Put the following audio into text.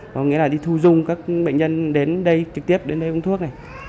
có nghĩa là đi thu dung các bệnh nhân đến đây trực tiếp đến đây uống thuốc này